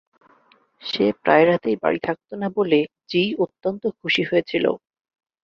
সে প্রায় রাতেই বাড়ি থাকত না বলে জি অত্যন্ত খুশি হয়েছিল।